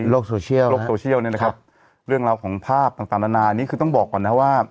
โลกโซเชียลเนี่ยนะครับเรื่องราวของภาพต่างนานานี่คือต้องบอกก่อนนะว่า